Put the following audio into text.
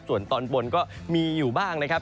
ส่วนตอนบนก็มีอยู่บ้างนะครับ